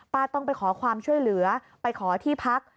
ต้องไปขอความช่วยเหลือไปขอที่พัก